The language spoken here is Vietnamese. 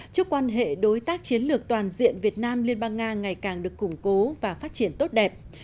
chúc quan hệ đối tác chiến lược toàn diện việt nam liên bang nga ngày càng được củng cố và phát triển tốt đẹp